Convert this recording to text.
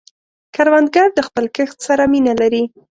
کروندګر د خپل کښت سره مینه لري